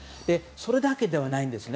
それだけではないんです。